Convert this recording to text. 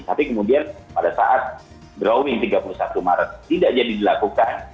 tapi kemudian pada saat drawing tiga puluh satu maret tidak jadi dilakukan